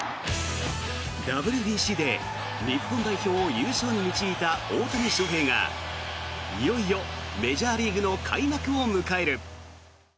ＷＢＣで日本代表を優勝に導いた大谷翔平がいよいよメジャーリーグの開幕を迎える。